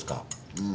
うん。